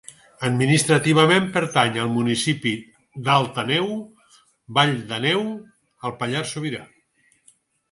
Administrativament pertany al municipi d'Alt Àneu, Vall d'Àneu al Pallars Sobirà.